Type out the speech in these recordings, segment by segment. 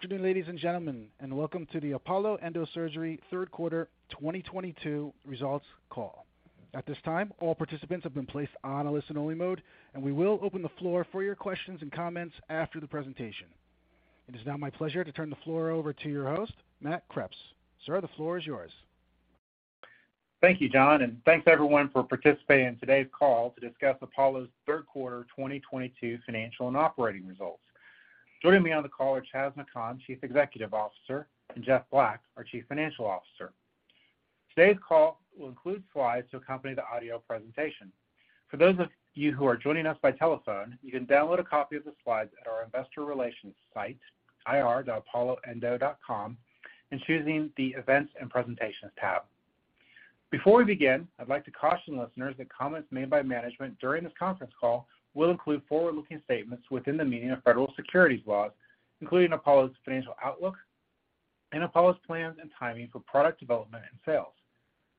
Good afternoon, ladies and gentlemen, and welcome to the Apollo Endosurgery 1/3 1/4 2022 results call. At this time, all participants have been placed on a Listen-Only Mode, and we will open the floor for your questions and comments after the presentation. It is now my pleasure to turn the floor over to your host, Matt Kreps. Sir, the floor is yours. Thank you, John, and thanks everyone for participating in today's call to discuss Apollo's 1/3 1/4 2022 financial and operating results. Joining me on the call are Chas McKhann, Chief Executive Officer, and Jeffrey Black, our Chief Financial Officer. Today's call will include Slides to accompany the audio presentation. For those of you who are joining us by telephone, you can download a copy of the Slides at our investor relations site, ir.apolloendo.com and choosing the Events and Presentations tab. Before we begin, I'd like to caution listeners that comments made by management during this conference call will include Forward-Looking statements within the meaning of Federal Securities laws, including Apollo's financial outlook and Apollo's plans and timing for product development and sales.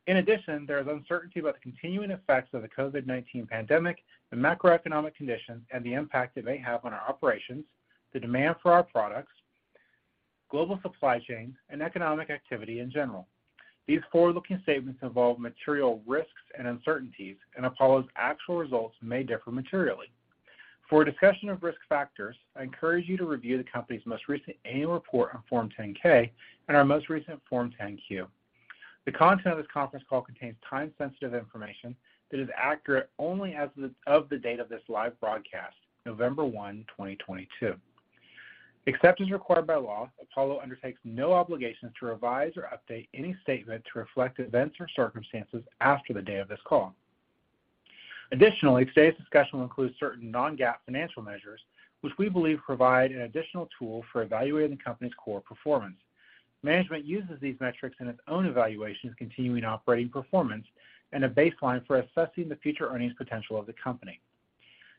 In addition, there is uncertainty about the continuing effects of the COVID-19 pandemic, the macroeconomic conditions and the impact it may have on our operations, the demand for our products, global supply chains, and economic activity in general. These Forward-Looking statements involve material risks and uncertainties, and Apollo's actual results may differ materially. For a discussion of risk factors, I encourage you to review the company's most recent annual report on Form 10-K and our most recent Form 10-Q. The content of this conference call contains time-sensitive information that is accurate only as of the date of this live broadcast, November 1, 2022. Except as required by law, Apollo undertakes no obligation to revise or update any statement to reflect events or circumstances after the day of this call. Additionally, today's discussion will include certain Non-GAAP financial measures, which we believe provide an additional tool for evaluating the company's core performance. Management uses these metrics in its own evaluations of continuing operating performance and a baseline for assessing the future earnings potential of the company.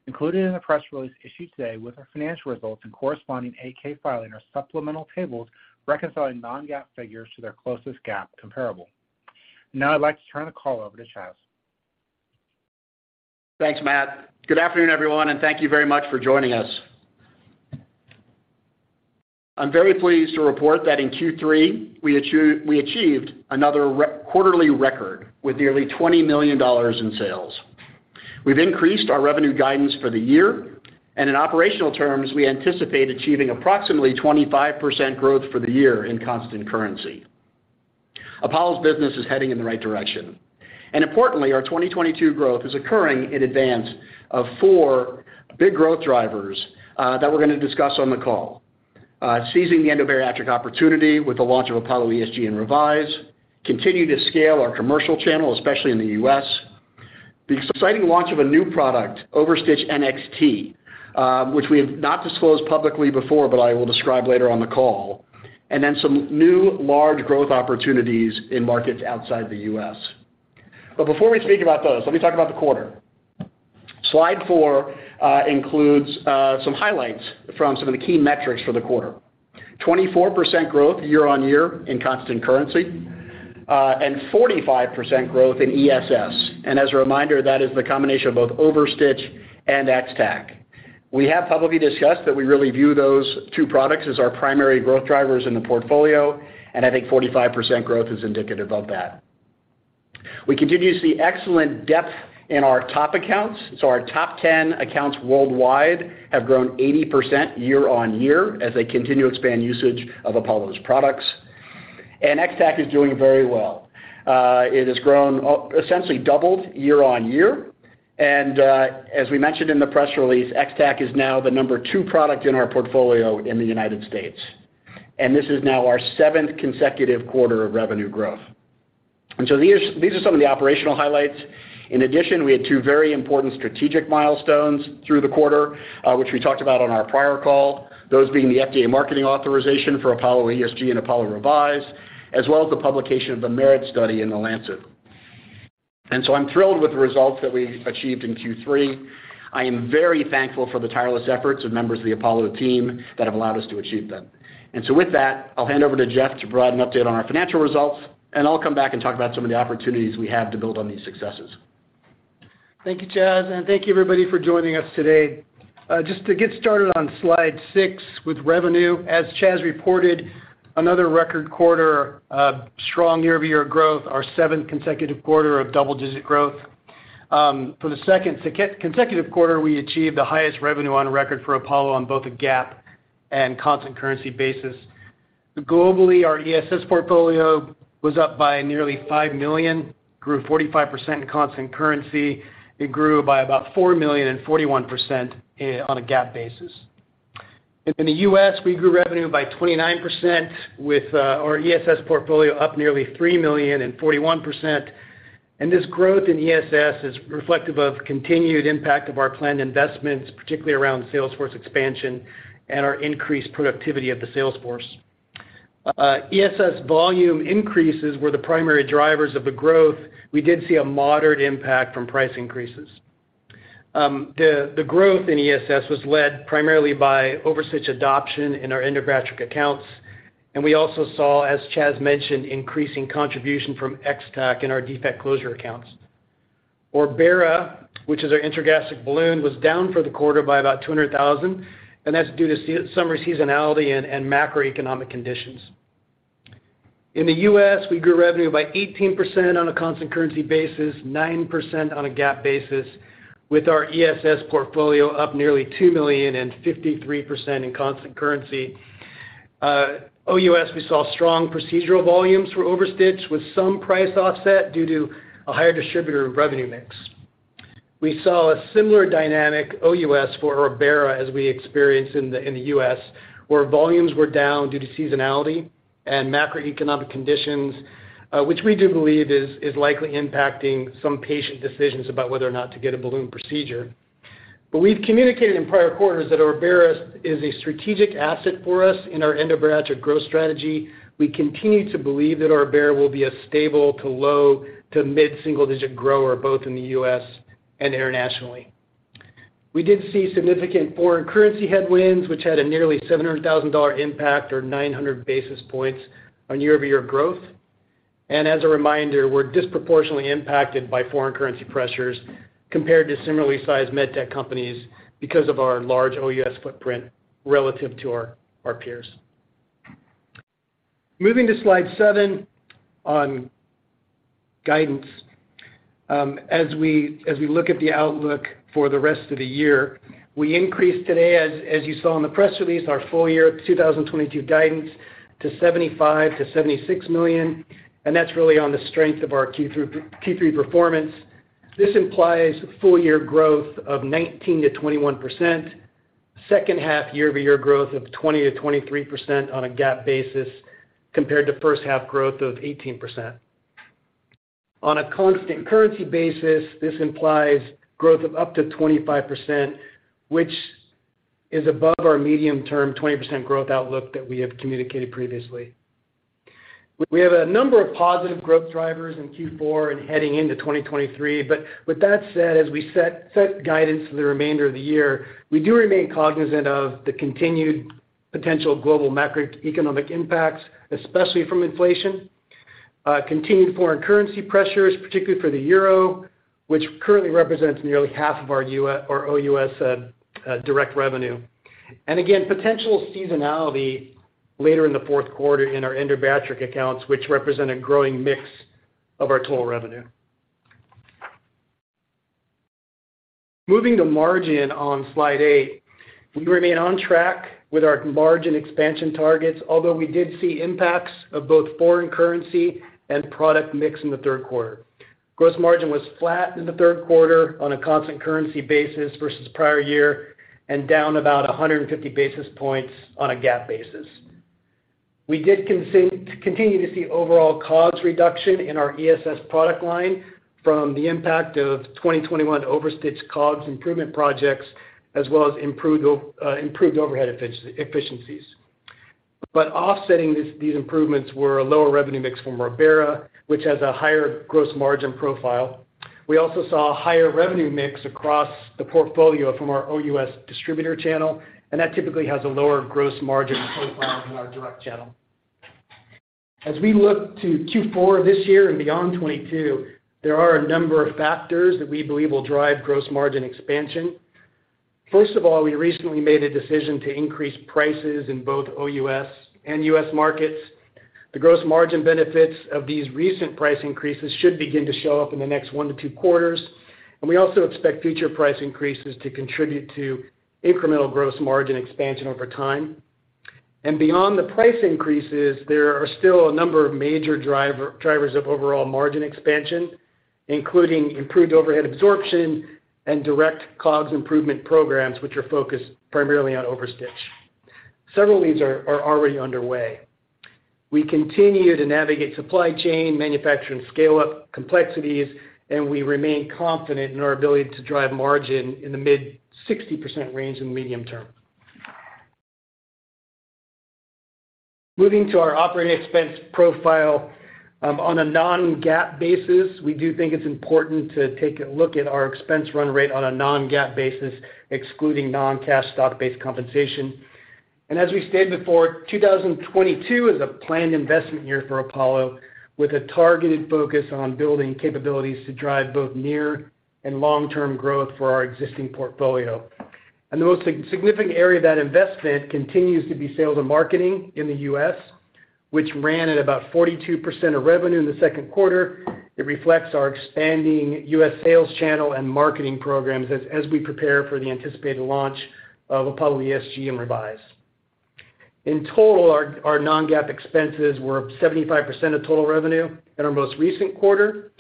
Included in the press release issued today with our financial results and corresponding 8-K filing are supplemental tables reconciling Non-GAAP figures to their closest GAAP comparable. Now I'd like to turn the call over to Chas. Thanks, Matt. Good afternoon, everyone, and thank you very much for joining us. I'm very pleased to report that in Q3, we achieved another quarterly record with nearly $20 million in sales. We've increased our revenue guidance for the year, and in operational terms, we anticipate achieving approximately 25% growth for the year in constant currency. Apollo's business is heading in the right direction. Importantly, our 2022 growth is occurring in advance of four big growth drivers that we're going to discuss on the call. Seizing the endobariatric opportunity with the launch of Apollo ESG and Revise, continue to scale our commercial channel, especially in the US. The exciting launch of a new product, OverStitch NXT, which we have not disclosed publicly before, but I will describe later on the call. Then some new large growth opportunities in markets outside the US. Before we speak about those, let me talk about the 1/4. Slide 4 includes some highlights from some of the key metrics for the 1/4. 24% growth Year-Over-Year in constant currency, and 45% growth in ESS. As a reminder, that is the combination of both OverStitch and X-Tack. We have publicly discussed that we really view those 2 products as our primary growth drivers in the portfolio, and I think 45% growth is indicative of that. We continue to see excellent depth in our top accounts. Our top 10 accounts worldwide have grown 80% Year-Over-Year as they continue to expand usage of Apollo's products. X-Tack is doing very well. It has grown essentially doubled Year-Over-Year. As we mentioned in the press release, X-Tack is now the number 2 product in our portfolio in the United States. This is now our 7th consecutive 1/4 of revenue growth. These are some of the operational highlights. In addition, we had 2 very important strategic milestones through the 1/4, which we talked about on our prior call. Those being the FDA marketing authorization for Apollo ESG and Apollo Revise, as well as the publication of the MERIT study in The Lancet. I'm thrilled with the results that we achieved in Q3. I am very thankful for the tireless efforts of members of the Apollo team that have allowed us to achieve them. With that, I'll hand over to Jeffrey to provide an update on our financial results, and I'll come back and talk about some of the opportunities we have to build on these successes. Thank you, Chas, and thank you, everybody, for joining us today. Just to get started on Slide 6 with revenue, as Chas reported, another record 1/4 of strong Year-Over-Year growth, our 7th consecutive 1/4 of double-digit growth. For the second consecutive 1/4, we achieved the highest revenue on record for Apollo on both a GAAP and constant currency basis. Globally, our ESS portfolio was up by nearly $5 million, grew 45% in constant currency. It grew by about $4 million and 41% on a GAAP basis. In the U.S., we grew revenue by 29% with our ESS portfolio up nearly $3 million and 41%. This growth in ESS is reflective of continued impact of our planned investments, particularly around salesforce expansion and our increased productivity of the salesforce. ESS volume increases were the primary drivers of the growth. We did see a moderate impact from price increases. The growth in ESS was led primarily by OverStitch adoption in our endobariatric accounts. We also saw, as Chas mentioned, increasing contribution from X-Tack in our defect closure accounts. Orbera, which is our intragastric balloon, was down for the 1/4 by about $200,000, and that's due to summer seasonality and macroeconomic conditions. In the US, we grew revenue by 18% on a constant currency basis, 9% on a GAAP basis, with our ESS portfolio up nearly $2 million and 53% in constant currency. OUS, we saw strong procedural volumes for OverStitch with some price offset due to a higher distributor revenue mix. We saw a similar dynamic OUS for Orbera as we experienced in the US, where volumes were down due to seasonality and macroeconomic conditions, which we do believe is likely impacting some patient decisions about whether or not to get a balloon procedure. We've communicated in prior quarters that Orbera is a strategic asset for us in our endobariatric growth strategy. We continue to believe that Orbera will be a stable to low to mid-single-digit grower, both in the US and internationally. We did see significant foreign currency headwinds, which had a nearly $700,000 impact or 900 basis points on Year-Over-Year growth. We're disproportionately impacted by foreign currency pressures compared to similarly sized med tech companies because of our large OUS footprint relative to our peers. Moving to Slide 7 on guidance. As we look at the outlook for the rest of the year, we increased today, as you saw in the press release, our full year 2022 guidance to $75 million-$76 million, and that's really on the strength of our Q3 performance. This implies full year growth of 19%-21%, second 1/2 Year-Over-Year growth of 20%-23% on a GAAP basis compared to first 1/2 growth of 18%. On a constant currency basis, this implies growth of up to 25%, which is above our medium term 20% growth outlook that we have communicated previously. We have a number of positive growth drivers in Q4 and heading into 2023. With that said, as we set guidance for the remainder of the year, we do remain cognizant of the continued potential global macroeconomic impacts, especially from inflation, continued foreign currency pressures, particularly for the euro, which currently represents nearly 1/2 of our OUS direct revenue. Again, potential seasonality later in the fourth 1/4 in our endobariatric accounts, which represent a growing mix of our total revenue. Moving to margin on Slide 8. We remain on track with our margin expansion targets, although we did see impacts of both foreign currency and product mix in the 1/3 1/4. Gross margin was flat in the 1/3 1/4 on a constant currency basis versus prior year, and down about 150 basis points on a GAAP basis. We continue to see overall COGS reduction in our ESS product line from the impact of 2021 OverStitch COGS improvement projects, as well as improved overhead efficiencies. Offsetting these improvements were a lower revenue mix from Orbera, which has a higher gross margin profile. We also saw a higher revenue mix across the portfolio from our OUS distributor channel, and that typically has a lower gross margin profile than our direct channel. As we look to Q4 this year and beyond 2022, there are a number of factors that we believe will drive gross margin expansion. First of all, we recently made a decision to increase prices in both OUS and U.S. markets. The gross margin benefits of these recent price increases should begin to show up in the next 1-2 quarters, and we also expect future price increases to contribute to incremental gross margin expansion over time. Beyond the price increases, there are still a number of major drivers of overall margin expansion, including improved overhead absorption and direct COGS improvement programs, which are focused primarily on OverStitch. Several of these are already underway. We continue to navigate supply chain manufacturing scale-up complexities, and we remain confident in our ability to drive margin in the Mid-60% range in the medium term. Moving to our operating expense profile, on a Non-GAAP basis, we do think it's important to take a look at our expense run rate on a Non-GAAP basis, excluding Non-cash stock-based compensation. As we stated before, 2022 is a planned investment year for Apollo, with a targeted focus on building capabilities to drive both near and long-term growth for our existing portfolio. The most significant area of that investment continues to be sales and marketing in the US, which ran at about 42% of revenue in the second 1/4. It reflects our expanding US sales channel and marketing programs as we prepare for the anticipated launch of Apollo ESG and Revise. In total, our Non-GAAP expenses were 75% of total revenue in our most recent 1/4.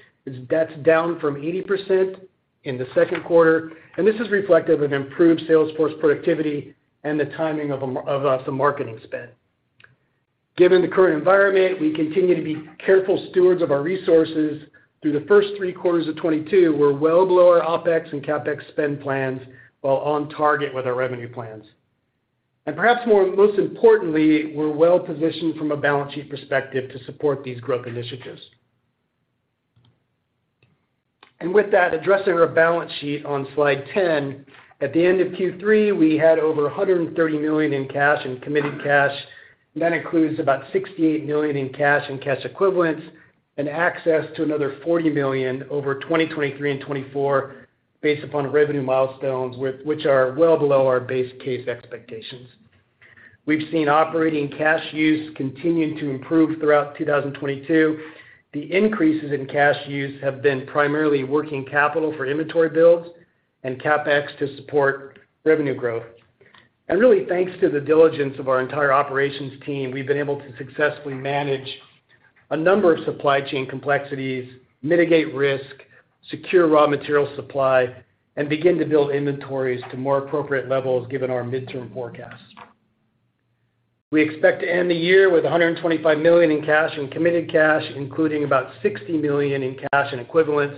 That's down from 80% in the second 1/4, and this is reflective of improved sales force productivity and the timing of some marketing spend. Given the current environment, we continue to be careful stewards of our resources. Through the first 3 quarters of 2022, we're well below our OpEx and CapEx spend plans while on target with our revenue plans. Perhaps most importantly, we're well positioned from a balance sheet perspective to support these growth initiatives. With that, addressing our balance sheet on Slide 10. At the end of Q3, we had over $130 million in cash and committed cash. That includes about $68 million in cash and cash equivalents and access to another $40 million over 2023 and 2024 based upon revenue milestones, which are well below our base case expectations. We've seen operating cash use continue to improve throughout 2022. The increases in cash use have been primarily working capital for inventory builds and CapEx to support revenue growth. Really, thanks to the diligence of our entire operations team, we've been able to successfully manage a number of supply chain complexities, mitigate risk, secure raw material supply, and begin to build inventories to more appropriate levels given our midterm forecast. We expect to end the year with $125 million in cash and committed cash, including about $60 million in cash and equivalents,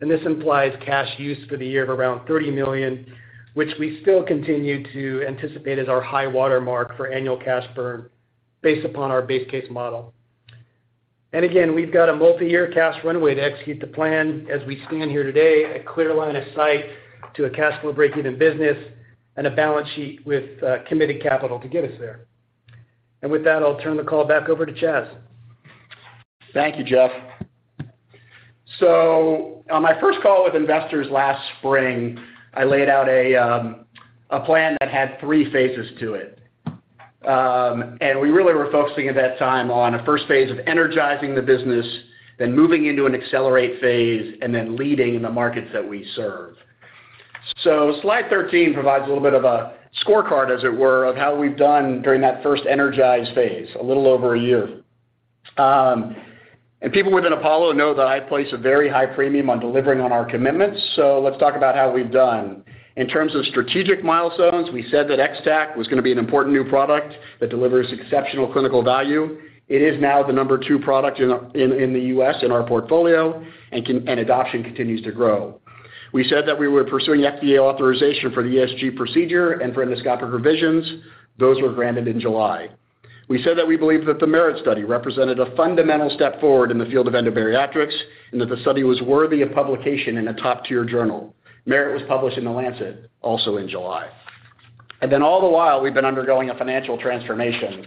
and this implies cash use for the year of around $30 million, which we still continue to anticipate as our high watermark for annual cash burn based upon our base case model. Again, we've got a multi-year cash runway to execute the plan as we stand here today, a clear line of sight to a cash flow breakeven business and a balance sheet with committed capital to get us there. With that, I'll turn the call back over to Chas. Thank you, Jeffrey. On my first call with investors last spring, I laid out a plan that had 3 phases to it. We really were focusing at that time on a first phase of energizing the business, then moving into an accelerate phase, and then leading in the markets that we serve. Slide 13 provides a little bit of a scorecard, as it were, of how we've done during that first energize phase, a little over a year. People within Apollo know that I place a very high premium on delivering on our commitments. Let's talk about how we've done. In terms of strategic milestones, we said that X-Tack was going to be an important new product that delivers exceptional clinical value. It is now the number 2 product in the US in our portfolio and adoption continues to grow. We said that we were pursuing FDA authorization for the ESG procedure and for endoscopic revisions. Those were granted in July. We said that we believe that the MERIT study represented a fundamental step forward in the field of endobariatric, and that the study was worthy of publication in a top-tier journal. MERIT was published in The Lancet, also in July. Then all the while, we've been undergoing a financial transformation.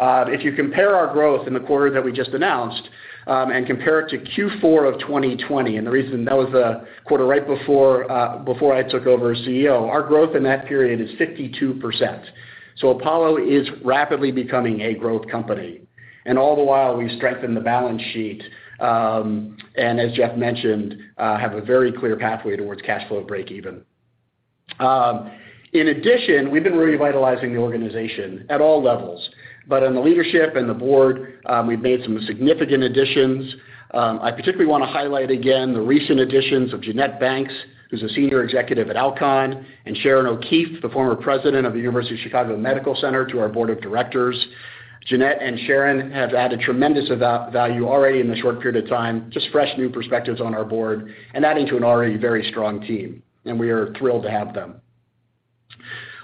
If you compare our growth in the 1/4 that we just announced, and compare it to Q4 of 2020, and the reason that was a 1/4 right before I took over as CEO, our growth in that period is 52%. Apollo is rapidly becoming a growth company. All the while, we've strengthened the balance sheet, and as Jeffrey mentioned, have a very clear pathway towards cash flow breakeven. In addition, we've been revitalizing the organization at all levels. On the leadership and the board, we've made some significant additions. I particularly want to highlight again the recent additions of Jeannette Banks, who's a senior executive at Alcon, and Sharon O'Keefe, the former president of the University of Chicago Medical Center, to our board of directors. Jeannette and Sharon have added tremendous amount of value already in this short period of time, just fresh new perspectives on our board and adding to an already very strong team, and we are thrilled to have them.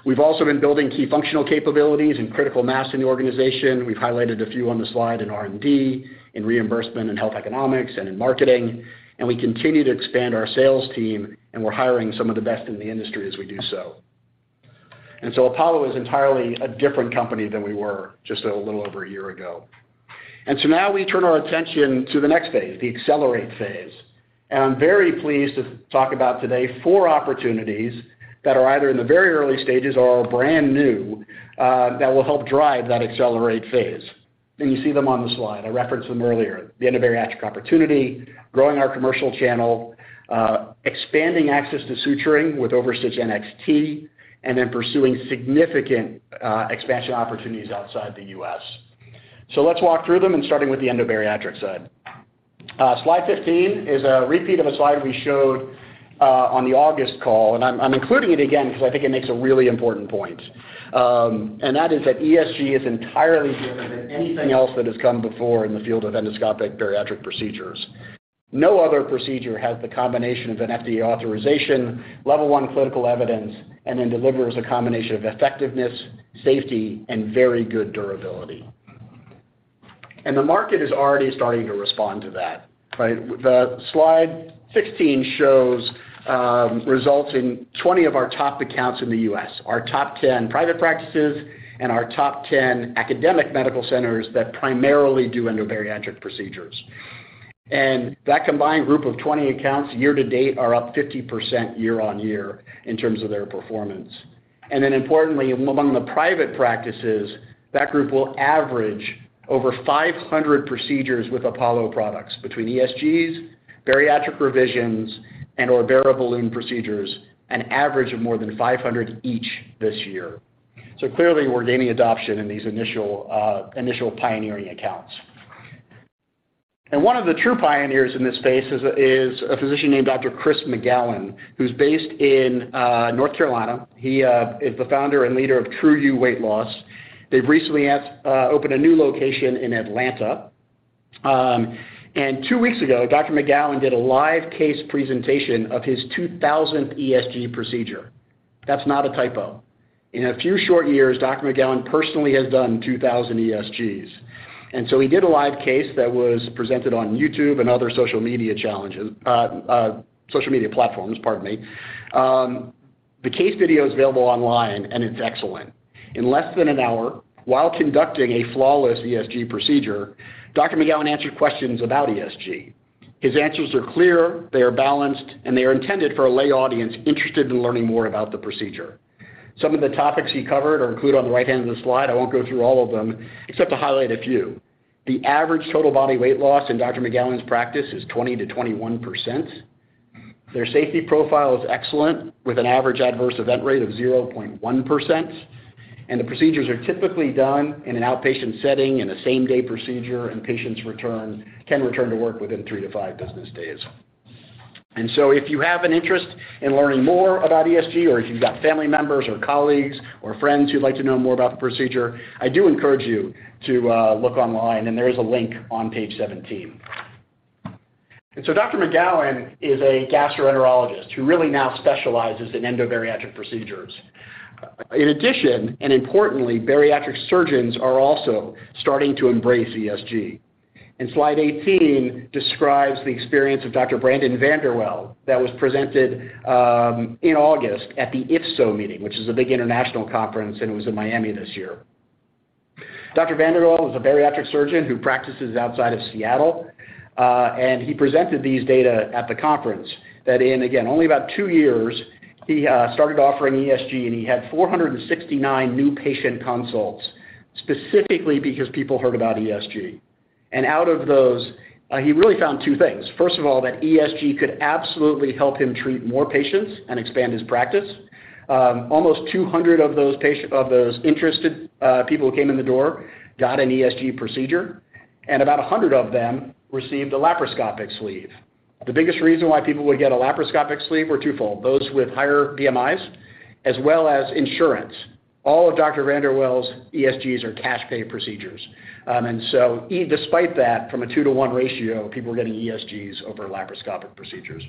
We've also been building key functional capabilities and critical mass in the organization. We've highlighted a few on the Slide in R&D, in reimbursement and health economics, and in marketing, and we continue to expand our sales team, and we're hiring some of the best in the industry as we do so. Apollo is entirely a different company than we were just a little over a year ago. Now we turn our attention to the next phase, the accelerate phase. I'm very pleased to talk about four opportunities today that are either in the very early stages or are brand new, that will help drive that accelerate phase. You see them on the Slide. I referenced them earlier, the endobariatric opportunity, growing our commercial channel, expanding access to suturing with OverStitch NXT, and then pursuing significant expansion opportunities outside the U.S. Let's walk through them and starting with the endobariatric side. Slide 15 is a repeat of a Slide we showed on the August call, and I'm including it again because I think it makes a really important point. That is that ESG is entirely different than anything else that has come before in the field of endoscopic bariatric procedures. No other procedure has the combination of an FDA authorization, level one clinical evidence, and then delivers a combination of effectiveness, safety, and very good durability. The market is already starting to respond to that, right? Slide 16 shows results in 20 of our top accounts in the U.S., our top 10 private practices and our top 10 academic medical centers that primarily do endobariatric procedures. That combined group of 20 accounts year to date are up 50% Year-Over-Year in terms of their performance. Importantly, among the private practices, that group will average over 500 procedures with Apollo products between ESGs, bariatric revisions, and/or variable procedures, an average of more than 500 each this year. Clearly, we're gaining adoption in these initial pioneering accounts. One of the true pioneers in this space is a physician named Dr. Chris McGowan, who's based in North Carolina. He is the founder and leader of True You Weight Loss. They've recently opened a new location in Atlanta. Two weeks ago, Dr. McGowan did a live case presentation of his 2000th ESG procedure. That's not a typo. In a few short years, Dr. McGowan personally has done 2000 ESGs. He did a live case that was presented on YouTube and other social media platforms, pardon me. The case video is available online and it's excellent. In less than an hour, while conducting a flawless ESG procedure, Dr. McGowan answered questions about ESG. His answers are clear, they are balanced, and they are intended for a lay audience interested in learning more about the procedure. Some of the topics he covered are included on the right-hand of the Slide. I won't go through all of them except to highlight a few. The average total body weight loss in Dr. McGowan's practice is 20%-21%. Their safety profile is excellent, with an average adverse event rate of 0.1%. The procedures are typically done in an outpatient setting in a same-day procedure, and patients can return to work within 3-5 business days. If you have an interest in learning more about ESG, or if you've got family members or colleagues or friends who'd like to know more about the procedure, I do encourage you to look online, and there is a link on page 17. Dr. McGowan is a gastroenterologist who really now specializes in endobariatric procedures. In addition, and importantly, bariatric surgeons are also starting to embrace ESG. Slide 18 describes the experience of Dr. Brandon VanderWeele that was presented in August at the IFSO meeting, which is a big international conference, and it was in Miami this year. VanderWeele is a bariatric surgeon who practices outside of Seattle, and he presented these data at the conference that in, again, only about 2 years, he started offering ESG, and he had 469 new patient consults specifically because people heard about ESG. Out of those, he really found 2 things. First of all, that ESG could absolutely help him treat more patients and expand his practice. Almost 200 of those interested people who came in the door got an ESG procedure, and about 100 of them received a laparoscopic sleeve. The biggest reason why people would get a laparoscopic sleeve were 2fold, those with higher BMIs as well as insurance. All of Dr. VanderWeele's ESGs are cash pay procedures. Despite that, from a 2-to-1 ratio, people were getting ESGs over laparoscopic procedures.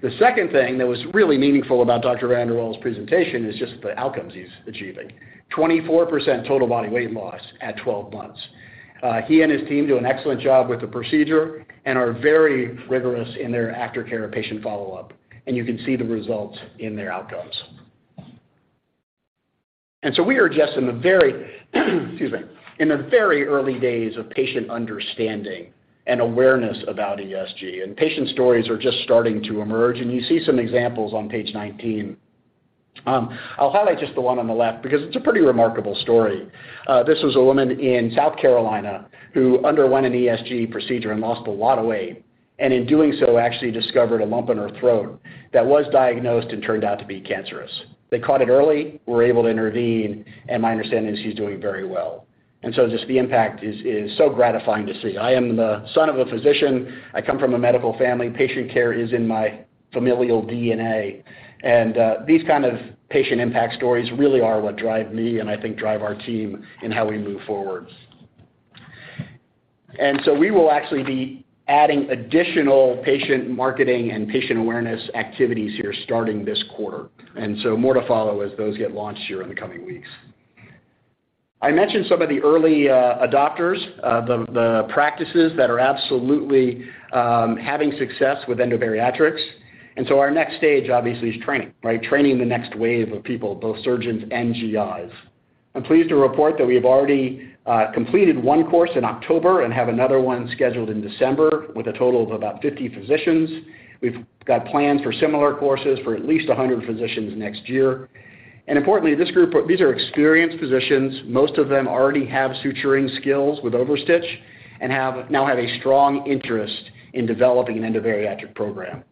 The second thing that was really meaningful about Dr. VanderWeele's presentation is just the outcomes he's achieving. 24% total body weight loss at 12 months. He and his team do an excellent job with the procedure and are very rigorous in their aftercare and patient Follow-UP, and you can see the results in their outcomes. We are just in the very early days of patient understanding and awareness about ESG, and patient stories are just starting to emerge, and you see some examples on page 19. I'll highlight just the one on the left because it's a pretty remarkable story. This was a woman in South Carolina who underwent an ESG procedure and lost a lot of weight, and in doing so, actually discovered a lump in her throat that was diagnosed and turned out to be cancerous. They caught it early, were able to intervene, and my understanding is she's doing very well. Just the impact is so gratifying to see. I am the son of a physician. I come from a medical family. Patient care is in my familial DNA. These kind of patient impact stories really are what drive me and I think drive our team in how we move forward. We will actually be adding additional patient marketing and patient awareness activities here starting this 1/4. More to follow as those get launched here in the coming weeks. I mentioned some of the early adopters, the practices that are absolutely having success with endobariatric. Our next stage, obviously, is training, right? Training the next wave of people, both surgeons and GIs. I'm pleased to report that we have already completed one course in October and have another one scheduled in December with a total of about 50 physicians. We've got plans for similar courses for at least 100 physicians next year. Importantly, these are experienced physicians. Most of them already have suturing skills with OverStitch and now have a strong interest in developing an endobariatric program.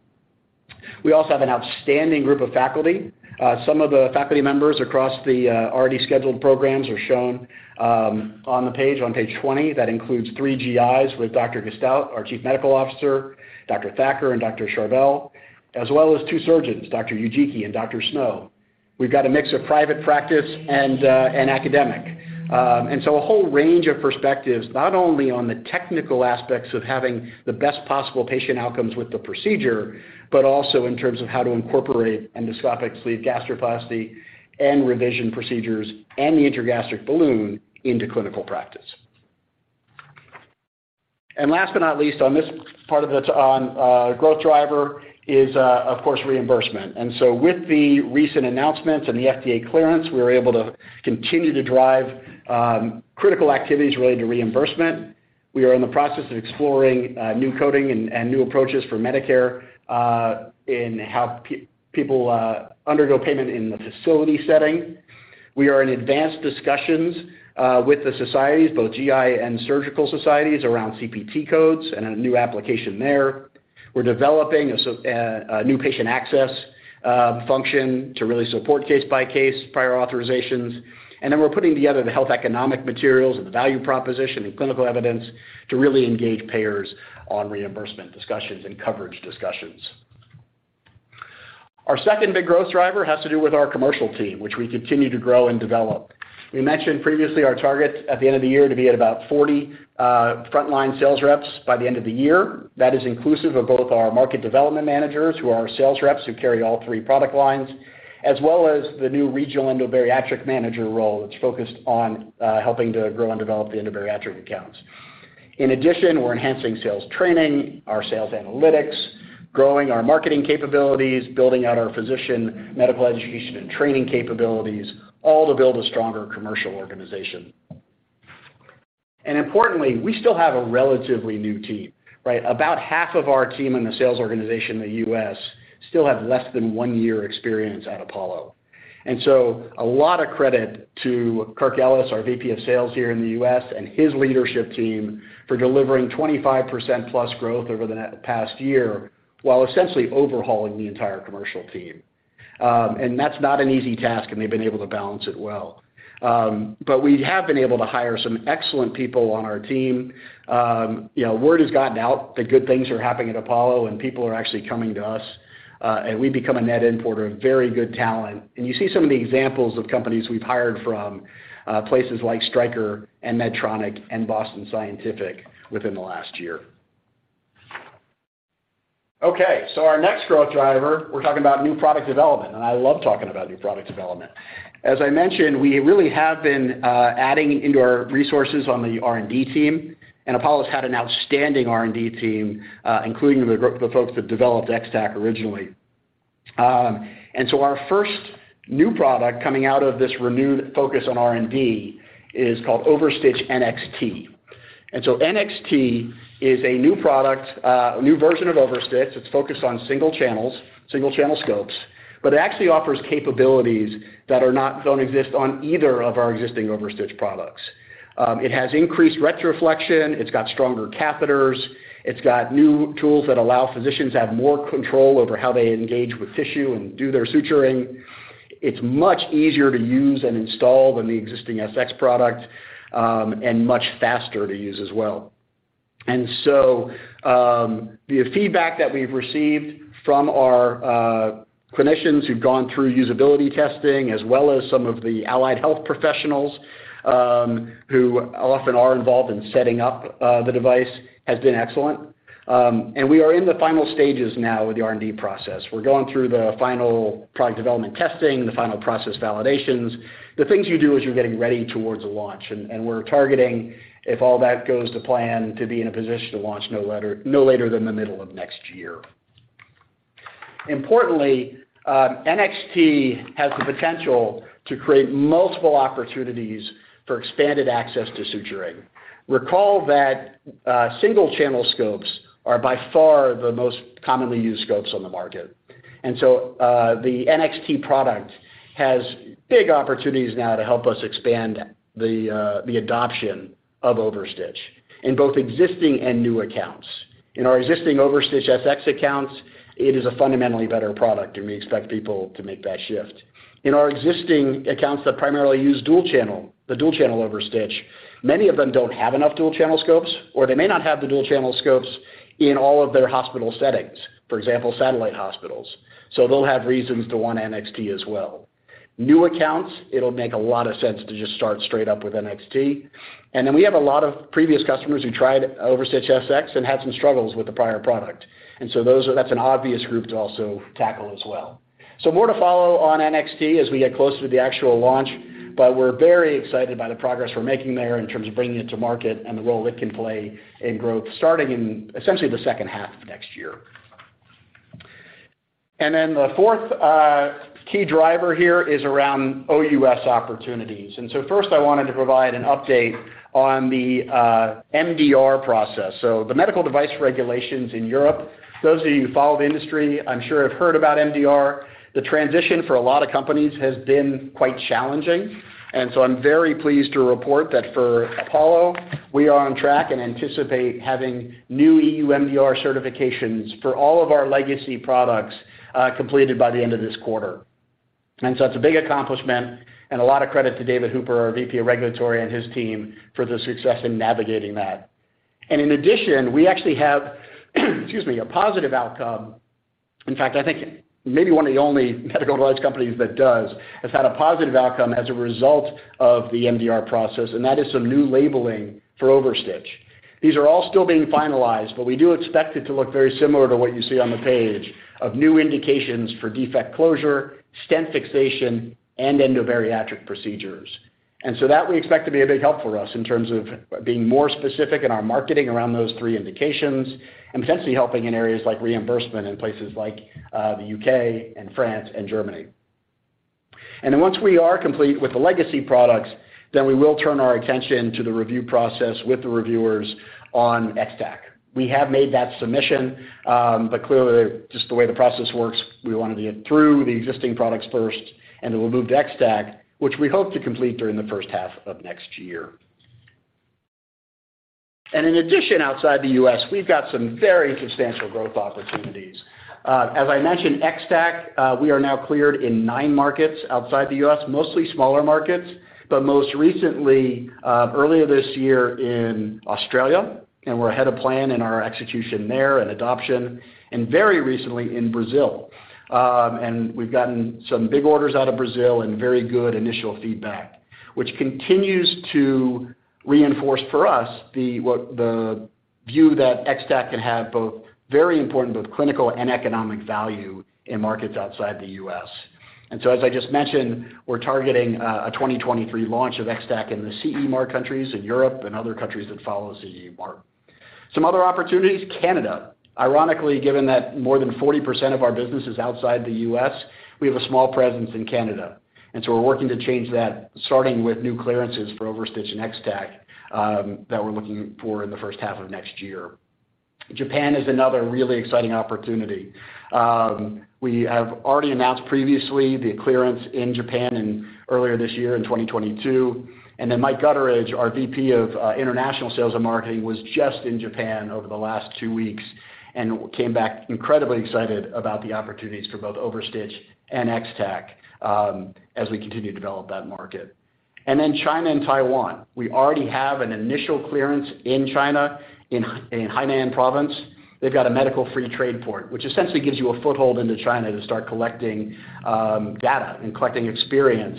We also have an outstanding group of faculty. Some of the faculty members across the already scheduled programs are shown on the page, on page 20. That includes 3 GIs with Dr. Dr. Gostout, our Chief Medical Officer, Dr. Thacker and Dr. Charbel, as well as 2 surgeons, Dr. Ujiki and Dr. Snow. We've got a mix of private practice and academic. And so a whole range of perspectives, not only on the technical aspects of having the best possible patient outcomes with the procedure, but also in terms of how to incorporate endoscopic sleeve gastroplasty and revision procedures and the intragastric balloon into clinical practice. Last but not least on this part of it on growth driver is, of course, reimbursement. With the recent announcements and the FDA clearance, we were able to continue to drive critical activities related to reimbursement. We are in the process of exploring new coding and new approaches for Medicare in how people undergo payment in the facility setting. We are in advanced discussions with the societies, both GI and surgical societies, around CPT codes and a new application there. We're developing a new patient access function to really support case-by-case prior authorizations. We're putting together the health economic materials and the value proposition and clinical evidence to really engage payers on reimbursement discussions and coverage discussions. Our second big growth driver has to do with our commercial team, which we continue to grow and develop. We mentioned previously our target at the end of the year to be at about 40 frontline sales reps by the end of the year. That is inclusive of both our market development managers, who are our sales reps who carry all 3 product lines, as well as the new regional endobariatric manager role, which focused on helping to grow and develop the endobariatric accounts. In addition, we're enhancing sales training, our sales analytics, growing our marketing capabilities, building out our physician medical education and training capabilities, all to build a stronger commercial organization. Importantly, we still have a relatively new team, right? About 1/2 of our team in the sales organization in the US still have less than one year experience at Apollo. A lot of credit to Kirk Ellis, our VP of sales here in the US, and his leadership team for delivering 25%+ growth over the past year, while essentially overhauling the entire commercial team. That's not an easy task, and they've been able to balance it well. We have been able to hire some excellent people on our team. Word has gotten out that good things are happening at Apollo, and people are actually coming to us, and we've become a net importer of very good talent. You see some of the examples of companies we've hired from places like Stryker and Medtronic and Boston Scientific within the last year. Okay, our next growth driver, we're talking about new product development, and I love talking about new product development. As I mentioned, we really have been adding into our resources on the R&D team, and Apollo's had an outstanding R&D team, including the folks that developed X-Tack originally. Our first new product coming out of this renewed focus on R&D is called OverStitch NXT. NXT is a new product, a new version of OverStitch. It's focused on single channels, Single-Channel scopes, but it actually offers capabilities that don't exist on either of our existing OverStitch products. It has increased retroflexion, it's got stronger catheters, it's got new tools that allow physicians to have more control over how they engage with tissue and do their suturing. It's much easier to use and install than the existing SX product, and much faster to use as well. The feedback that we've received from our clinicians who've gone through usability testing, as well as some of the allied health professionals who often are involved in setting up the device has been excellent. We are in the final stages now with the R&D process. We're going through the final product development testing, the final process validations, the things you do as you're getting ready towards a launch. We're targeting, if all that goes to plan, to be in a position to launch no later than the middle of next year. Importantly, NXT has the potential to create multiple opportunities for expanded access to suturing. Recall that, Single-Channel scopes are by far the most commonly used scopes on the market. The NXT product has big opportunities now to help us expand the adoption of OverStitch in both existing and new accounts. In our existing OverStitch SX accounts, it is a fundamentally better product, and we expect people to make that shift. In our existing accounts that primarily use Dual-Channel, the Dual-Channel OverStitch, many of them don't have enough Dual-Channel scopes, or they may not have the Dual-Channel scopes in all of their hospital settings, for example, satellite hospitals. They'll have reasons to want NXT as well. New accounts, it'll make a lot of sense to just start straight up with NXT. We have a lot of previous customers who tried OverStitch SX and had some struggles with the prior product. That's an obvious group to also tackle as well. More to follow on NXT as we get closer to the actual launch, but we're very excited by the progress we're making there in terms of bringing it to market and the role it can play in growth, starting in essentially the second 1/2 of next year. The fourth key driver here is around OUS opportunities. First I wanted to provide an update on the MDR process. The medical device regulations in Europe, those of you who follow the industry, I'm sure have heard about MDR. The transition for a lot of companies has been quite challenging, and so I'm very pleased to report that for Apollo, we are on track and anticipate having new EU MDR certifications for all of our legacy products completed by the end of this 1/4. It's a big accomplishment and a lot of credit to David Hooper, our VP of Regulatory, and his team for the success in navigating that. In addition, we actually have, excuse me, a positive outcome. In fact, I think maybe one of the only medical device companies that does, has had a positive outcome as a result of the MDR process, and that is some new labeling for OverStitch. These are all still being finalized, but we do expect it to look very similar to what you see on the page of new indications for defect closure, stent fixation, and endobariatric procedures. That we expect to be a big help for us in terms of being more specific in our marketing around those 3 indications and potentially helping in areas like reimbursement in places like the UK and France and Germany. Once we are complete with the legacy products, then we will turn our attention to the review process with the reviewers on X-Tack. We have made that submission, but clearly, just the way the process works, we want to get through the existing products first, and then we'll move to X-Tack, which we hope to complete during the first 1/2 of next year. In addition, outside the U.S., we've got some very substantial growth opportunities. As I mentioned, X-Tack, we are now cleared in nine markets outside the U.S., mostly smaller markets, but most recently, earlier this year in Australia, and we're ahead of plan in our execution there and adoption, and very recently in Brazil. And we've gotten some big orders out of Brazil and very good initial feedback, which continues to reinforce for us the view that X-Tack can have both very important clinical and economic value in markets outside the U.S. As I just mentioned, we're targeting a 2023 launch of X-Tack in the CE mark countries in Europe and other countries that follow CE mark. Some other opportunities, Canada. Ironically, given that more than 40% of our business is outside the U.S., we have a small presence in Canada. We're working to change that starting with new clearances for OverStitch and X-Tack that we're looking for in the first 1/2 of next year. Japan is another really exciting opportunity. We have already announced previously the clearance in Japan earlier this year in 2022. Mike Gutteridge, our VP of International Sales and Marketing, was just in Japan over the last 2 weeks and came back incredibly excited about the opportunities for both OverStitch and X-Tack as we continue to develop that market. Then China and Taiwan, we already have an initial clearance in China in Hainan Province. They've got a medical free trade port, which essentially gives you a foothold into China to start collecting data and collecting experience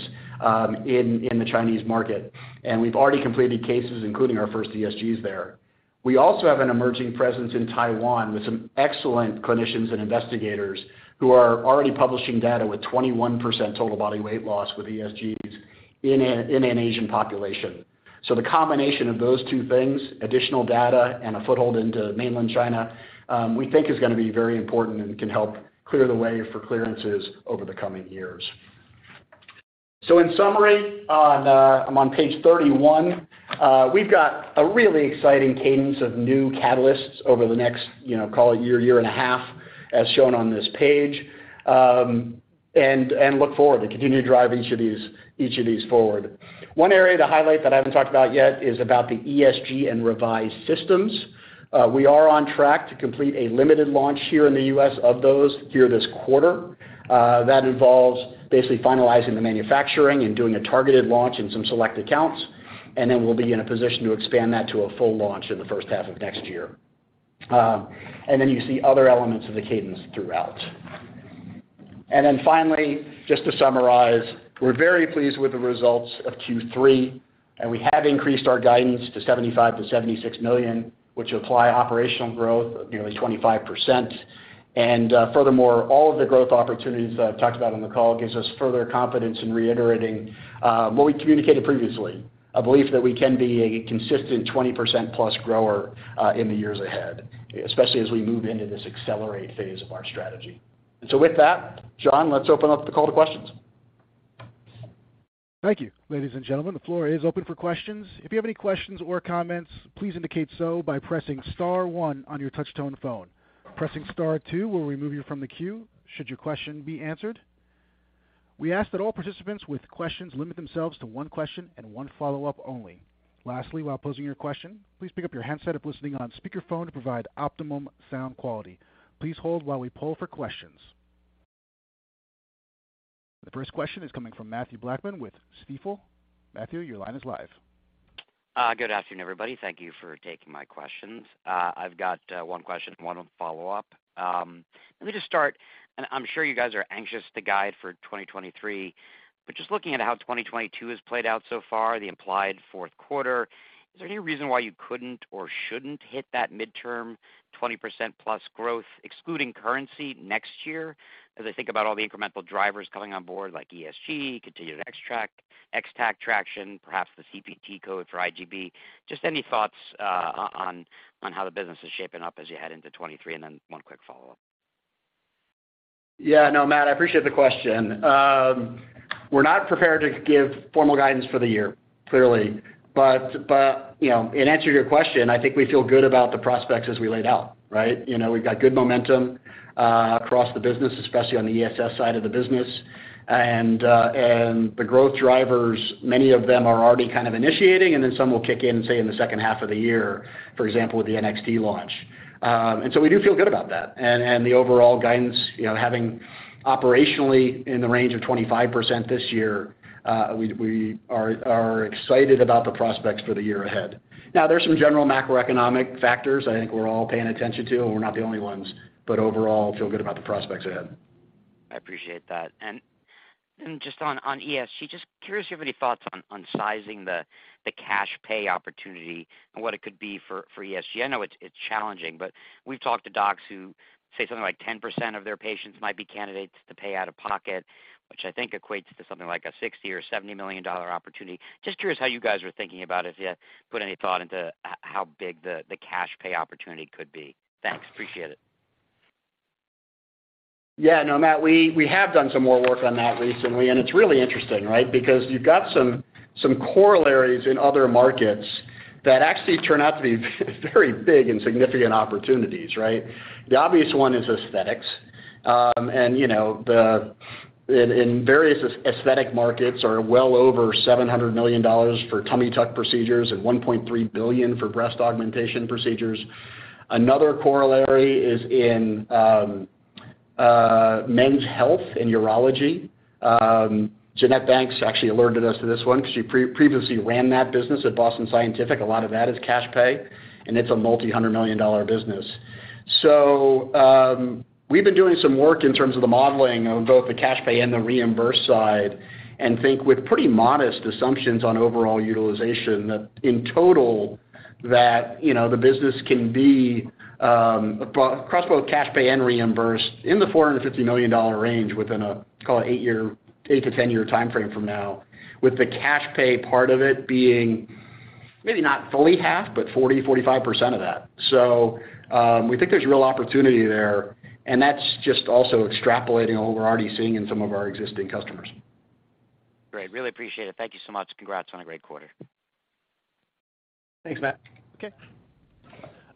in the Chinese market. We've already completed cases, including our first ESGs there. We also have an emerging presence in Taiwan with some excellent clinicians and investigators who are already publishing data with 21% total body weight loss with ESGs in an Asian population. The combination of those 2 things, additional data and a foothold into mainland China, we think is gonna be very important and can help clear the way for clearances over the coming years. In summary, I'm on page 31, we've got a really exciting cadence of new catalysts over the next, call it year and a 1/2, as shown on this page, and look forward to continue to drive each of these forward. One area to highlight that I haven't talked about yet is about the ESG and Revise systems. We are on track to complete a limited launch here in the U.S. of those here this 1/4. That involves basically finalizing the manufacturing and doing a targeted launch in some select accounts. Then we'll be in a position to expand that to a full launch in the first 1/2 of next year. You see other elements of the cadence throughout. Finally, just to summarize, we're very pleased with the results of Q3, and we have increased our guidance to $75 million-$76 million, which imply operational growth of nearly 25%. Furthermore, all of the growth opportunities that I've talked about on the call gives us further confidence in reiterating what we communicated previously. A belief that we can be a consistent 20%+ grower in the years ahead, especially as we move into this accelerate phase of our strategy. With that, John, let's open up the call to questions. Thank you. Ladies and gentlemen, the floor is open for questions. If you have any questions or comments, please indicate so by pressing *1 on your touchtone phone. Pressing *2 will remove you from the queue should your question be answered. We ask that all participants with questions limit themselves to one question and one Follow-UP only. Lastly, while posing your question, please pick up your handset or if listening on speakerphone to provide optimum sound quality. Please hold while we poll for questions. The first question is coming from Matthew Blackman with Stifel. Matthew, your line is live. Good afternoon, everybody. Thank you for taking my questions. I've got one question and one Follow-UP. Let me just start. I'm sure you guys are anxious to guide for 2023, but just looking at how 2022 has played out so far, the implied fourth 1/4, is there any reason why you couldn't or shouldn't hit that midterm 20%+ growth, excluding currency next year? As I think about all the incremental drivers coming on board like ESG, continued X-Tack traction, perhaps the CPT code for IGB. Just any thoughts on how the business is shaping up as you head into 2023, and then one quick Follow-Up. Yeah. No, Matthew, I appreciate the question. We're not prepared to give formal guidance for the year, clearly. You know, in answer to your question, I think we feel good about the prospects as we laid out, right? You know, we've got good momentum across the business, especially on the ESS side of the business. The growth drivers, many of them are already kind of initiating, and then some will kick in, say, in the second 1/2 of the year, for example, with the NXT launch. We do feel good about that. The overall guidance, you know, having operationally in the range of 25% this year, we are excited about the prospects for the year ahead. Now there's some general macroeconomic factors I think we're all paying attention to, and we're not the only ones, but overall, feel good about the prospects ahead. I appreciate that. Just on ESG, just curious if you have any thoughts on sizing the cash pay opportunity and what it could be for ESG. I know it's challenging, but we've talked to docs who say something like 10% of their patients might be candidates to pay out of pocket, which I think equates to something like a $60-$70 million opportunity. Just curious how you guys are thinking about it, if you put any thought into how big the cash pay opportunity could be. Thanks. Appreciate it. Yeah. No, Matthew, we have done some more work on that recently, and it's really interesting, right? Because you've got some corollaries in other markets that actually turn out to be very big and significant opportunities, right? The obvious one is aesthetics. You know, the various aesthetic markets are well over $700 million for tummy tuck procedures and $1.3 billion for breast augmentation procedures. Another corollary is in men's health in urology. Jeannette Banks actually alerted us to this one 'cause she previously ran that business at Boston Scientific. A lot of that is cash pay, and it's a multi-hundred million dollar business. We've been doing some work in terms of the modeling of both the cash pay and the reimbursed side, and think with pretty modest assumptions on overall utilization that in total, that you know the business can be across both cash pay and reimbursed in the $450 million range within a call it 8-year, 8-10 year timeframe from now. With the cash pay part of it being maybe not fully 1/2, but 40%-45% of that. We think there's real opportunity there, and that's just also extrapolating on what we're already seeing in some of our existing customers. Great. Really appreciate it. Thank you so much. Congrats on a great 1/4. Thanks, Mattew. Okay.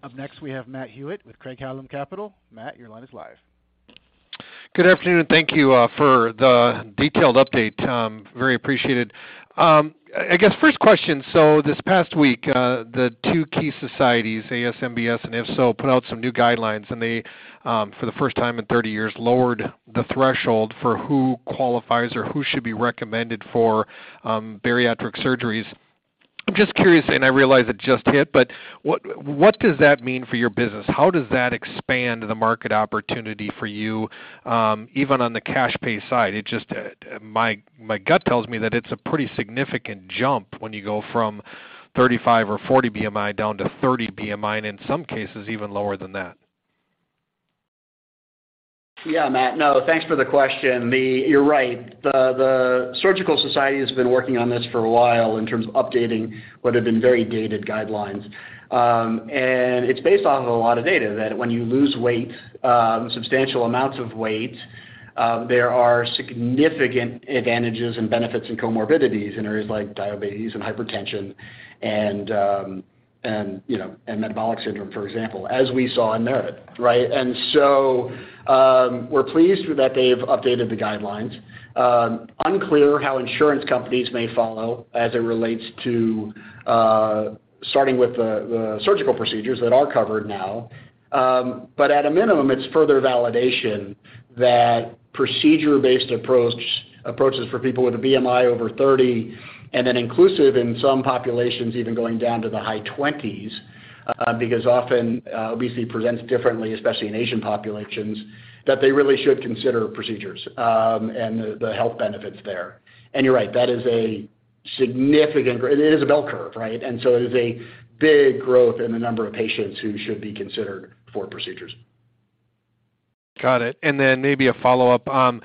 Up next, we have Matt Hewitt with Craig-Hallum Capital Group. Matt, your line is live. Good afternoon. Thank you for the detailed update, very appreciated. I guess first question, this past week the 2 key societies, ASMBS and IFSO, put out some new guidelines, and they for the first time in 30 years lowered the threshold for who qualifies or who should be recommended for bariatric surgeries. I'm just curious, and I realize it just hit, but what does that mean for your business? How does that expand the market opportunity for you, even on the cash pay side? It just my gut tells me that it's a pretty significant jump when you go from 35 or 40 BMI down to 30 BMI, and in some cases, even lower than that. Yeah. Matt, no, thanks for the question. You're right. The surgical society has been working on this for a while in terms of updating what have been very dated guidelines. It's based off of a lot of data that when you lose weight, substantial amounts of weight, there are significant advantages and benefits in comorbidities in areas like diabetes and hypertension and, you know, and metabolic syndrome, for example, as we saw in MERIT, right? We're pleased that they've updated the guidelines. Unclear how insurance companies may follow as it relates to starting with the surgical procedures that are covered now. At a minimum, it's further validation that Procedure-B ased approach for people with a BMI over 30 and then inclusive in some populations, even going down to the high 20s, because often obesity presents differently, especially in Asian populations, that they really should consider procedures and the health benefits there. You're right, that is a significant growth. It is a bell curve, right? It is a big growth in the number of patients who should be considered for procedures. Got it. Then maybe a Follow-UP.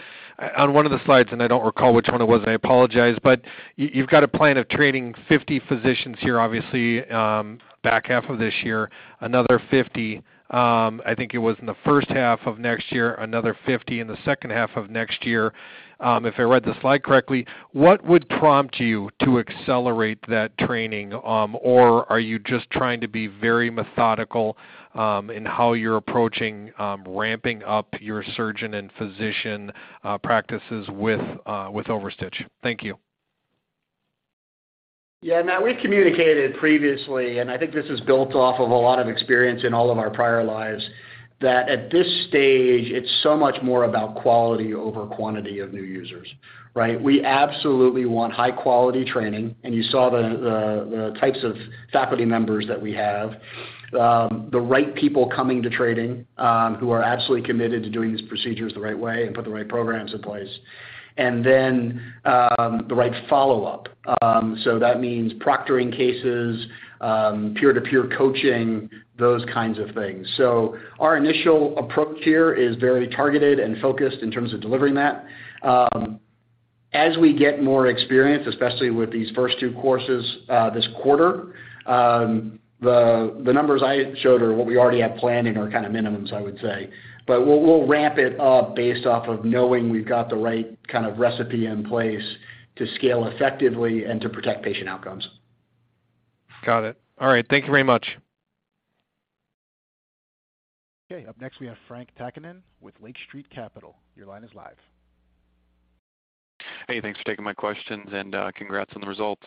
On one of the Slides, and I don't recall which one it was, and I apologize, but you've got a plan of training 50 physicians here, obviously, back 1/2 of this year, another 50, I think it was in the first 1/2 of next year, another 50 in the second 1/2 of next year. If I read the Slide correctly, what would prompt you to accelerate that training? Or are you just trying to be very methodical in how you're approaching ramping up your surgeon and physician practices with OverStitch? Thank you. Yeah. Matt, we communicated previously, and I think this is built off of a lot of experience in all of our prior lives, that at this stage, it's so much more about quality over quantity of new users, right? We absolutely want high quality training, and you saw the types of faculty members that we have. The right people coming to training, who are absolutely committed to doing these procedures the right way and put the right programs in place. Then, the right Follow-UP. That means proctoring cases, peer-to-peer coaching, those kinds of things. Our initial approach here is very targeted and focused in terms of delivering that. As we get more experience, especially with these first 2 courses, this 1/4, the numbers I showed or what we already have planned in are kind of minimums, I would say. We'll ramp it up based off of knowing we've got the right kind of recipe in place to scale effectively and to protect patient outcomes. Got it. All right. Thank you very much. Okay. Up next, we have Frank Takkinen with Lake Street Capital. Your line is live. Hey, thanks for taking my questions, and congrats on the results.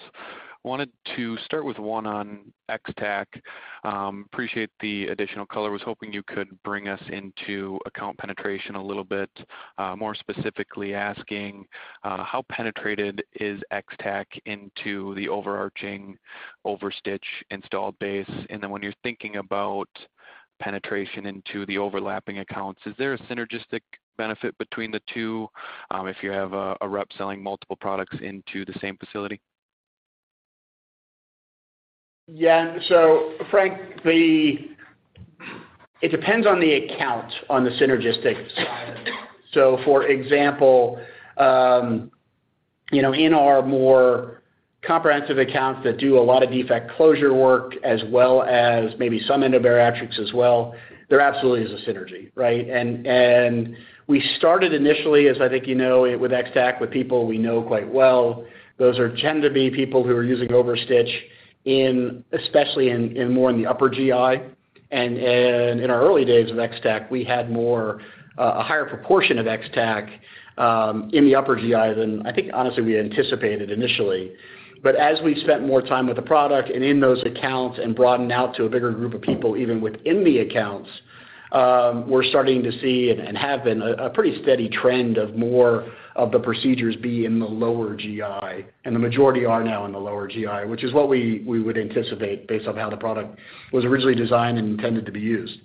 Wanted to start with one on X-Tack. Appreciate the additional color. Was hoping you could bring us into account penetration a little bit. More specifically asking, how penetrated is X-Tack into the overarching OverStitch installed base? And then when you're thinking about penetration into the overlapping accounts, is there a synergistic benefit between the 2, if you have a rep selling multiple products into the same facility? Yeah. Frank, it depends on the account on the synergistic side. For example, you know, in our more comprehensive accounts that do a lot of defect closure work as well as maybe some endobariatric as well, there absolutely is a synergy, right? We started initially, as I think you know, with X-Tack, with people we know quite well. Those tend to be people who are using OverStitch, especially in the upper GI. In our early days with X-Tack, we had a higher proportion of X-Tack in the upper GI than I think honestly we had anticipated initially. As we've spent more time with the product and in those accounts and broadened out to a bigger group of people, even within the accounts, we're starting to see and have been a pretty steady trend of more of the procedures be in the lower GI, and the majority are now in the lower GI, which is what we would anticipate based on how the product was originally designed and intended to be used.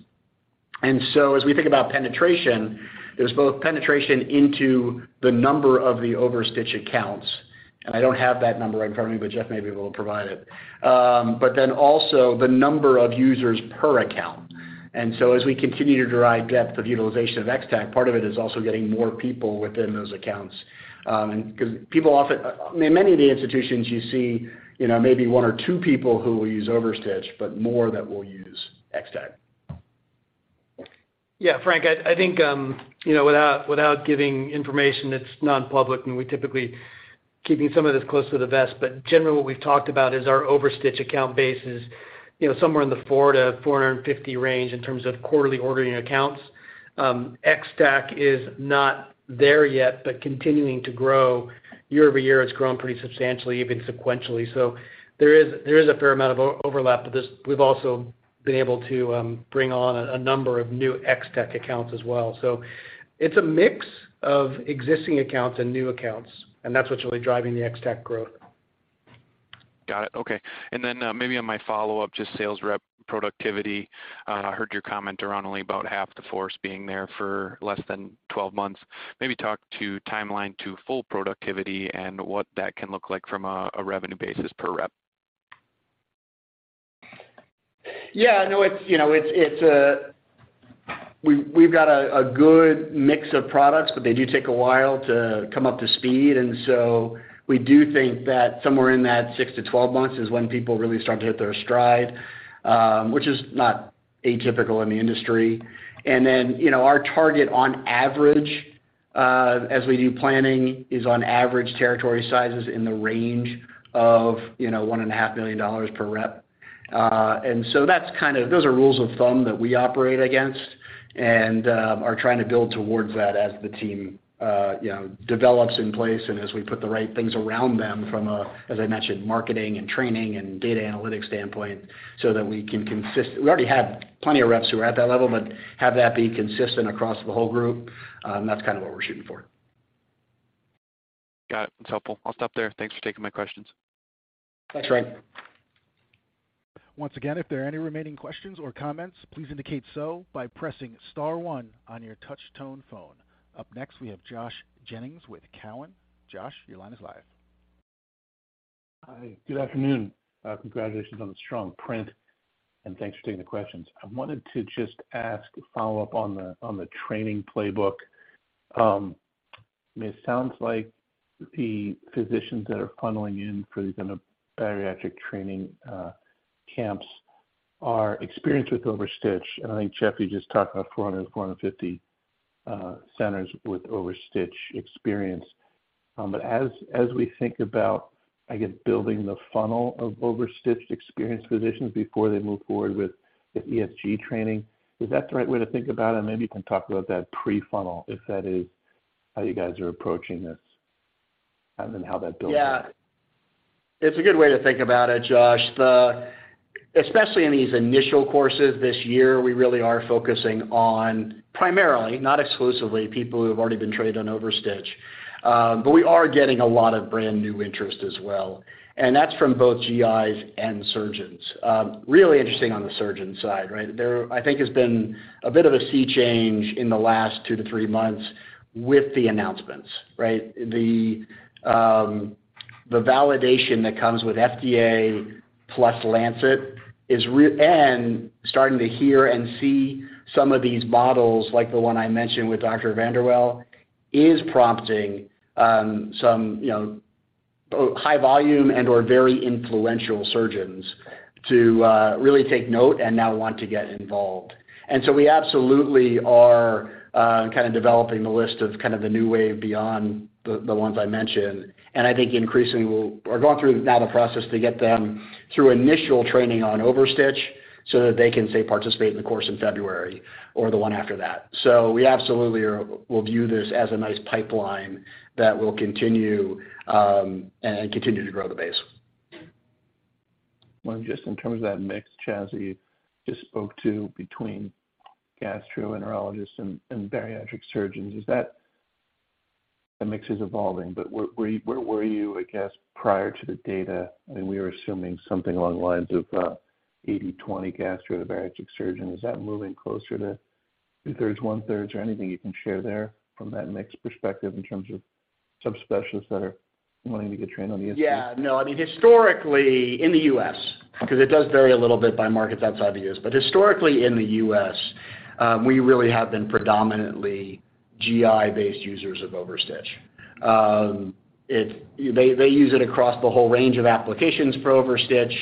As we think about penetration, there's both penetration into the number of the OverStitch accounts. I don't have that number in front of me, but Jeffrey maybe will provide it. But then also the number of users per account. As we continue to drive depth of utilization of X-Tack, part of it is also getting more people within those accounts, 'cause people, I mean, many of the institutions you see, you know, maybe one or 2 people who will use OverStitch, but more that will use X-Tack. Yeah, Frank, I think you know, without giving information that's Non-public, and we typically keep some of this close to the vest, but generally what we've talked about is our OverStitch account base is you know, somewhere in the 400-450 range in terms of quarterly ordering accounts. X-Tack is not there yet, but continuing to grow. Year-Over-Year, it's grown pretty substantially, even sequentially. So there is a fair amount of overlap, but just we've also been able to bring on a number of new X-Tack accounts as well. So it's a mix of existing accounts and new accounts, and that's what's really driving the X-Tack growth. Got it. Okay. Maybe on my Follow-Up, just sales rep productivity. I heard your comment around only about 1/2 the force being there for less than 12 months. Maybe talk to timeline to full productivity and what that can look like from a revenue basis per rep. It's a good mix of products, but they do take a while to come up to speed. We do think that somewhere in that 6-12 months is when people really start to hit their stride, which is not atypical in the industry. Our target on average, as we do planning, is on average territory sizes in the range of $1.5 million per rep. That's kind of. Those are rules of thumb that we operate against and are trying to build towards that as the team, you know, develops in place and as we put the right things around them from a, as I mentioned, marketing and training and data analytics standpoint. We already have plenty of reps who are at that level, but have that be consistent across the whole group, that's kind of what we're shooting for. Got it. That's helpful. I'll stop there. Thanks for taking my questions. Thanks, Frank. Once again, if there are any remaining questions or comments, please indicate so by pressing star one on your touch tone phone. Up next, we have Joshua Jennings with Cowen. Josh, your line is live. Hi, good afternoon. Congratulations on the strong print, and thanks for taking the questions. I wanted to just ask a Follow-Up on the training playbook. I mean, it sounds like the physicians that are funneling in for these bariatric training camps are experienced with OverStitch. I think, Jeffrey, you just talked about 450 centers with OverStitch experience. But as we think about, I guess, building the funnel of OverStitch-experienced physicians before they move forward with the ESG training, is that the right way to think about it? Maybe you can talk about that pre-funnel, if that is how you guys are approaching this and then how that builds out. Yeah. It's a good way to think about it, Josh. Especially in these initial courses this year, we really are focusing on primarily, not exclusively, people who have already been trained on OverStitch. But we are getting a lot of Brand-New interest as well, and that's from both GIs and surgeons. Really interesting on the surgeon side, right? There, I think, has been a bit of a sea change in the last 2-3 months with the announcements, right? The validation that comes with FDA plus Lancet is real and starting to hear and see some of these models, like the one I mentioned with Dr. VanderWeele, is prompting some, you know, high volume and/or very influential surgeons to really take note and now want to get involved. We absolutely are kind of developing the list of kind of the new wave beyond the ones I mentioned. I think increasingly we're going through now the process to get them through initial training on OverStitch so that they can, say, participate in the course in February or the one after that. We absolutely will view this as a nice pipeline that will continue and continue to grow the base. Well, just in terms of that mix, Chas, you just spoke to between gastroenterologists and bariatric surgeons. Is that the mix is evolving, but where were you, I guess, prior to the data? I mean, we are assuming something along the lines of 80/20 gastro to bariatric surgeon. Is that moving closer to 2-1/3s, one-1/3, or anything you can share there from that mix perspective in terms of subspecialists that are wanting to get trained on ESG? Yeah, no, I mean, historically in the US, because it does vary a little bit by markets outside the US, but historically in the US, we really have been predominantly GI-based users of OverStitch. They use it across the whole range of applications for OverStitch,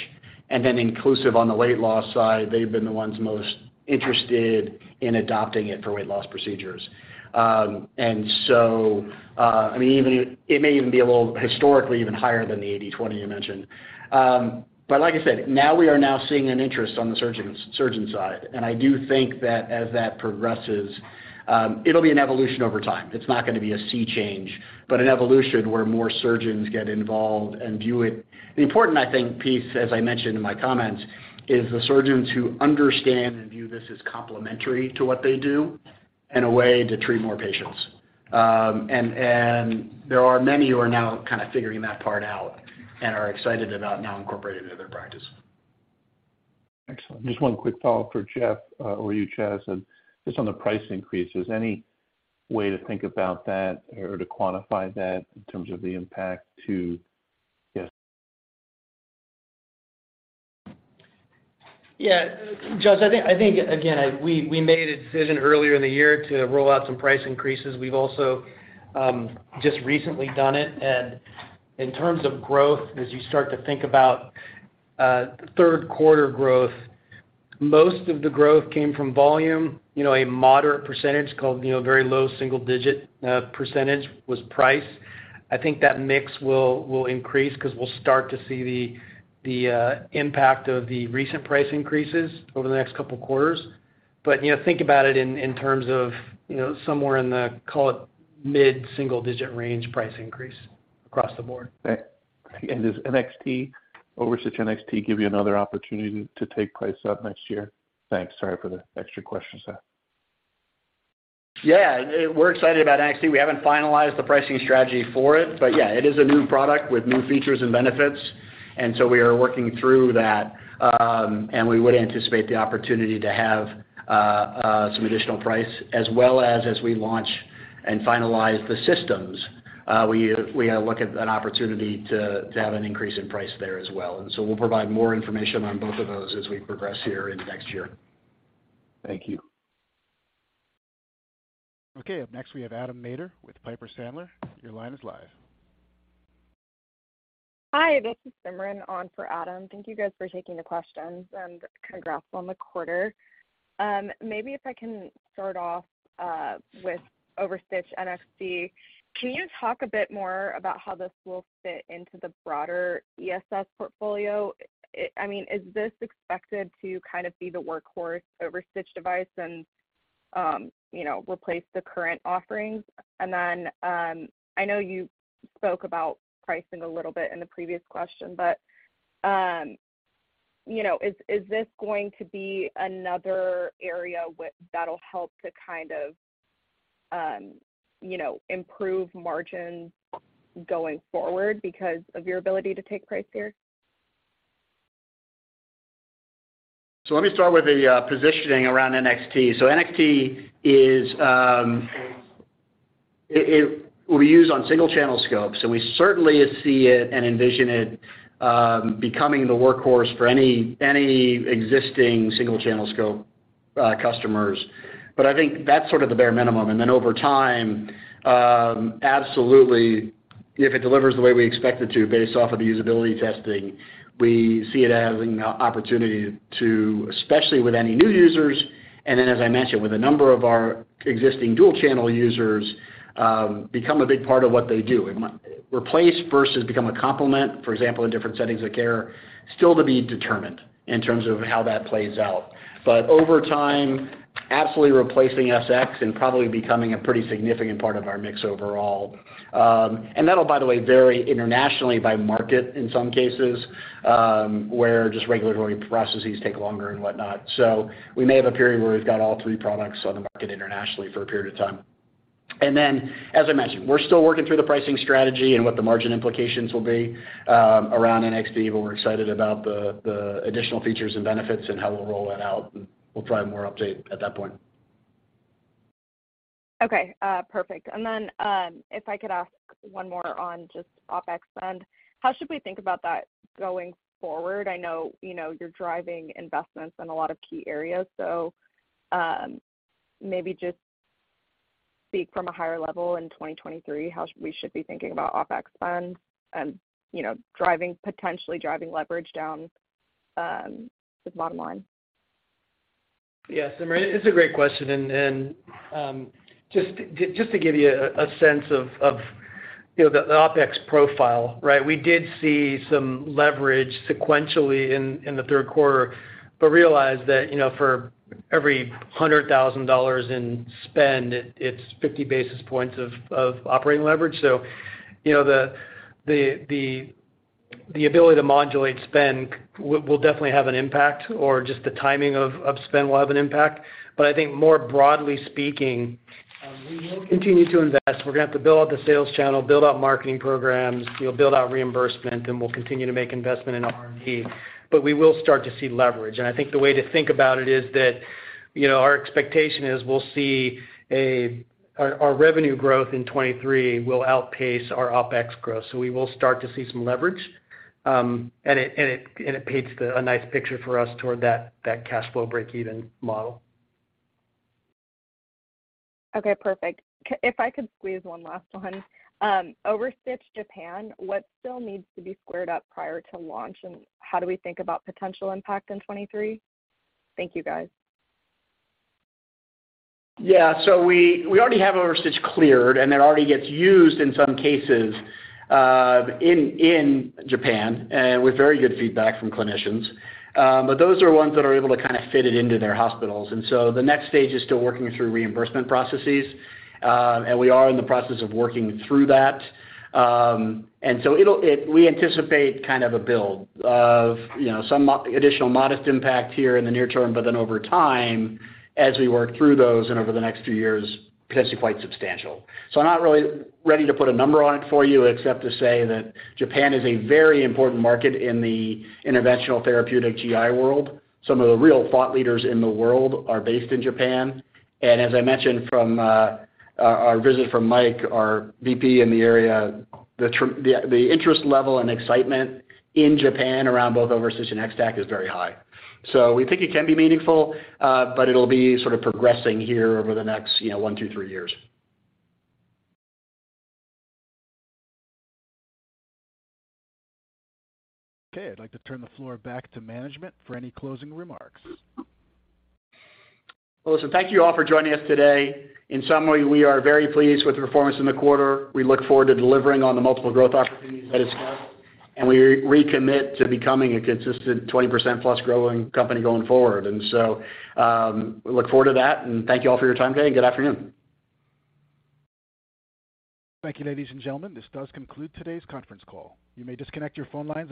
and then inclusive on the weight loss side, they've been the ones most interested in adopting it for weight loss procedures. I mean, it may even be a little historically even higher than the 80/20 you mentioned. But like I said, now we are seeing an interest on the surgeon side. I do think that as that progresses, it'll be an evolution over time. It's not gonna be a sea change, but an evolution where more surgeons get involved and view it. The important, I think, piece, as I mentioned in my comments, is the surgeons who understand and view this as complementary to what they do and a way to treat more patients. There are many who are now kinda figuring that part out and are excited about now incorporating it into their practice. Excellent. Just one quick Follow-Up for Jeffrey, or you, Chas. Just on the price increases, any way to think about that or to quantify that in terms of the impact to. Yes. Yeah. Jeffrey, I think again we made a decision earlier in the year to roll out some price increases. We've also just recently done it. In terms of growth, as you start to think about 1/3 1/4 growth, most of the growth came from volume, you know, a moderate percentage, call it, you know, very low single digit percentage was price. I think that mix will increase 'cause we'll start to see the impact of the recent price increases over the next couple quarters. You know, think about it in terms of, you know, somewhere in the, call it mid-single digit range price increase across the board. Okay. Does NXT or OverStitch NXT give you another opportunity to take price up next year? Thanks. Sorry for the extra questions. Yeah. We're excited about NXT. We haven't finalized the pricing strategy for it. Yeah, it is a new product with new features and benefits, and so we are working through that. We would anticipate the opportunity to have some additional price as well as we launch and finalize the systems. We look at an opportunity to have an increase in price there as well. We'll provide more information on both of those as we progress here in the next year. Thank you. Okay. Up next, we have Adam Maeder with Piper Sandler. Your line is live. Hi, this is Simran on for Adam Maeder. Thank you guys for taking the questions, and congrats on the 1/4. Maybe if I can start off with OverStitch NXT. Can you talk a bit more about how this will fit into the broader ESS portfolio? I mean, is this expected to kind of be the workhorse OverStitch device and, you know, replace the current offerings? Then, I know you spoke about pricing a little bit in the previous question, but, you know, is this going to be another area that'll help to kind of, you know, improve margins going forward because of your ability to take price here? Let me start with the positioning around NXT. NXT is it will be used on single channel scopes, and we certainly see it and envision it becoming the workhorse for any existing single channel scope customers. I think that's sort of the bare minimum. Over time, absolutely, if it delivers the way we expect it to based off of the usability testing, we see it as an opportunity to, especially with any new users, and then as I mentioned, with a number of our existing dual channel users, become a big part of what they do. Replace versus become a complement, for example, in different settings of care, still to be determined in terms of how that plays out. Over time, absolutely replacing SX and probably becoming a pretty significant part of our mix overall. That'll, by the way, vary internationally by market in some cases, where just regulatory processes take longer and whatnot. We may have a period where we've got all 3 products on the market internationally for a period of time. Then, as I mentioned, we're still working through the pricing strategy and what the margin implications will be, around NXT, but we're excited about the additional features and benefits and how we'll roll that out, and we'll provide more update at that point. Okay, perfect. If I could ask one more on just OpEx spend. How should we think about that going forward? I know, you know, you're driving investments in a lot of key areas, so, maybe just speak from a higher level in 2023, how we should be thinking about OpEx spends and, you know, potentially driving leverage down, the bottom line. Yes, Simran, it's a great question. Just to give you a sense of you know, the OpEx profile, right? We did see some leverage sequentially in the 1/3 1/4, but realized that, you know, for every $100,000 in spend, it's 50 basis points of operating leverage. The ability to modulate spend will definitely have an impact, or just the timing of spend will have an impact. I think more broadly speaking, we will continue to invest. We're gonna have to build out the sales channel, build out marketing programs, you know, build out reimbursement, and we'll continue to make investment in R&D. We will start to see leverage. I think the way to think about it is that, you know, our expectation is we'll see our revenue growth in 2023 will outpace our OpEx growth. We will start to see some leverage. It paints a nice picture for us toward that cash flow breakeven model. Okay, perfect. If I could squeeze one last one. OverStitch Japan, what still needs to be squared up prior to launch, and how do we think about potential impact in 2023? Thank you, guys. We already have OverStitch cleared, and it already gets used in some cases in Japan with very good feedback from clinicians. Those are ones that are able to kinda fit it into their hospitals. The next stage is still working through reimbursement processes, and we are in the process of working through that. We anticipate kind of a build of, you know, some additional modest impact here in the near term, but then over time, as we work through those and over the next few years, potentially quite substantial. I'm not really ready to put a number on it for you, except to say that Japan is a very important market in the interventional therapeutic GI world. Some of the real thought leaders in the world are based in Japan. As I mentioned from our visit from Mike, our VP in the area, the interest level and excitement in Japan around both OverStitch NXT is very high. We think it can be meaningful, but it'll be sort of progressing here over the next, you know, 1-3 years. Okay. I'd like to turn the floor back to management for any closing remarks. Well, listen, thank you all for joining us today. In summary, we are very pleased with the performance in the 1/4. We look forward to delivering on the multiple growth opportunities that is held, and we recommit to becoming a consistent 20%+ growing company going forward. We look forward to that, and thank you all for your time today, and good afternoon. Thank you, ladies and gentlemen. This does conclude today's conference call. You may disconnect your phone lines.